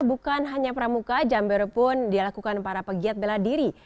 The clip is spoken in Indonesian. bukan hanya pramuka jambere pun dilakukan para pegiat bela diri